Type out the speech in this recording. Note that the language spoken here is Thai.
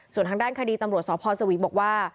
ส่วนทางด้านคดีตำรวจสพสวีบอกว่า